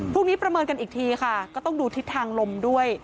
ประเมินกันอีกทีค่ะก็ต้องดูทิศทางลมด้วย